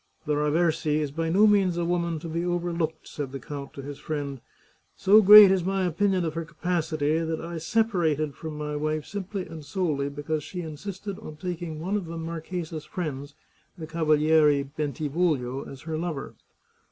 " The Raversi is by no means a woman to be over looked," said the count to his friend. " So great is my opin ion of her capacity that I separated from my wife simply and solely because she insisted on taking one of the mar chesa's friends, the Cavaliere Bentivoglio, as her lover."